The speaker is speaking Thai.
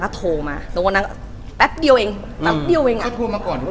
เหมือนนางก็เริ่มรู้แล้วเหมือนนางก็เริ่มรู้แล้วเหมือนนางก็เริ่มรู้แล้ว